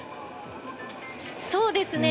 そうですね。